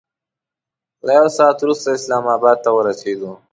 له یو ساعت وروسته اسلام اباد ته ورسېدو.